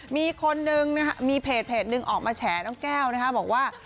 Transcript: มีคนหนึ่งะเช่นออกมาแฉน้องแก้วบอกว่า